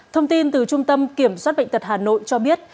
thông tin từ trung tâm kiểm soát bệnh tật hà nội cho biết